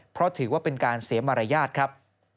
เพราะถือว่าเป็นการเสียมารยาทครับ